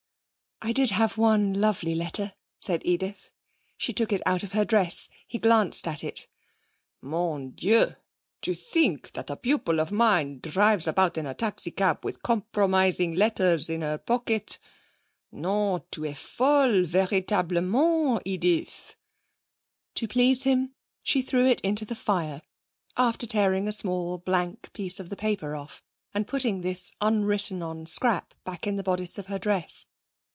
'I did have one lovely letter,' said Edith. She took it out of her dress. He glanced at it. 'Mon Dieu! To think that a pupil of mine drives about in a taxi cab with compromising letters in her pocket! Non, tu est folle, véritablement, Edith.' To please him she threw it into the fire, after tearing a small blank piece of the paper off, and putting this unwritten on scrap back in the bodice of her dress.